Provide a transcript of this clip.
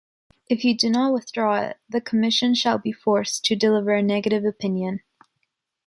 If you do not withdraw it, the Commission shall be forced to deliver a negative opinion.